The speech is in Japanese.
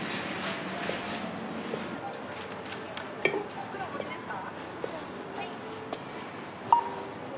袋お持ちですか？